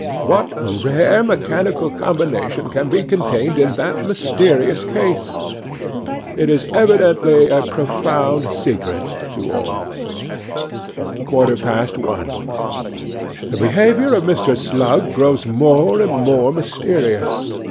What rare mechanical combination can be contained in that mysterious case? It is evidently a profound secret to all.' 'A quarter past one. 'THE behaviour of Mr. Slug grows more and more mysterious.